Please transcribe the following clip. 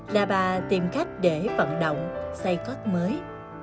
là bà tìm cách để vận động xây cất mới